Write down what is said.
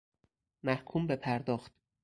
محکوم به پرداخت...